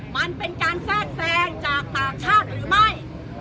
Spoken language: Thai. มันเป็นการแทรกแทรงจากต่างชาติหรือไม่